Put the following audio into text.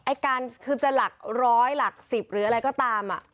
ไอ้การคือจะหลักร้อยหลัก๑๐หรืออะไรก็ตาม